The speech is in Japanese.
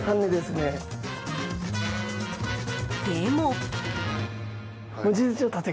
でも。